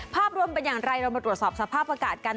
ภาพรวมเป็นอย่างไรเรามาตรวจสอบสภาพอากาศกัน